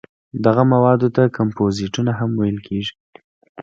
دغو موادو ته کمپوزېټونه هم ویل کېږي.